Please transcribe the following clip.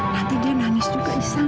nanti dia nangis juga isang